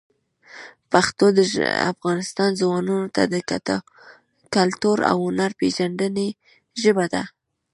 پښتو د افغانستان ځوانانو ته د کلتور او هنر پېژندنې ژبه ده.